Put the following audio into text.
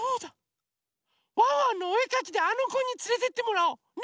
「ワンワンのおえかき」であのこにつれてってもらおう！ね！